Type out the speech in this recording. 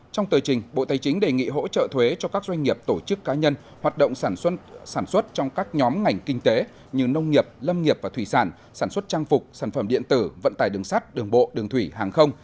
trong tờ trình bộ tây chính đề nghị hỗ trợ thuế cho các doanh nghiệp tổ chức cá nhân hoạt động sản xuất trong các nhóm ngành kinh tế như nông nghiệp lâm nghiệp và thủy sản sản xuất trang phục sản phẩm điện tử vận tải đường sắt đường bộ đường thủy hàng không